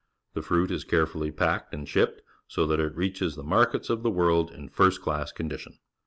The fruit is carefully packed and shipped, so that it reaches the markets of the world in first class condition.